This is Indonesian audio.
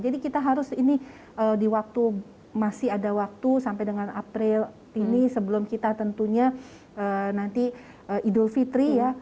jadi kita harus ini di waktu masih ada waktu sampai dengan april ini sebelum kita tentunya nanti idul fitr ya